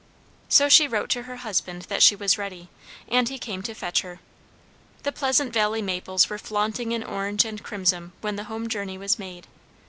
So she wrote to her husband that she was ready, and he came to fetch her. The Pleasant Valley maples were flaunting in orange and crimson when the home journey was made.